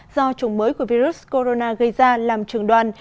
do chủng mới của virus corona gây ra làm trường đoàn